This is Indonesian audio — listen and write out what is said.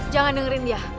jangan dengerin dia